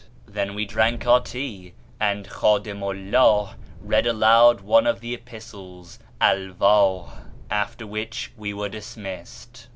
Then we drank our tea, and KliMitiiu 'lldh read aloud one of the Epistles (Alwdh) ; after which we were dismissed.